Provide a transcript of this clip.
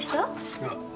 いや。